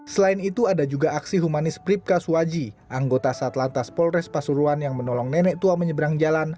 selain itu ada juga aksi humanis bribka suwaji anggota satlantas polres pasuruan yang menolong nenek tua menyeberang jalan